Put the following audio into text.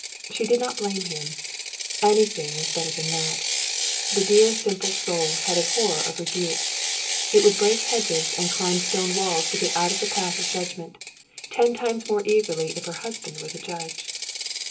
She did not blame him. Anything was better than that. The dear, simple soul had a horror of rebuke. It would break hedges and climb stone walls to get out of the path of judgment ten times more eagerly if her husband were the judge.